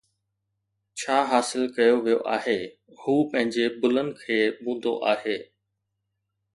ڇا حاصل ڪيو ويو آهي، هو پنهنجي بلن کي بوندو آهي